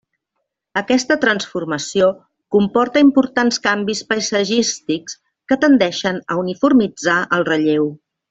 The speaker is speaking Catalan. Aquesta transformació comporta importants canvis paisatgístics que tendeixen a uniformitzar el relleu.